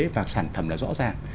và sản phẩm là rõ ràng